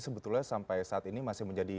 sebetulnya sampai saat ini masih menjadi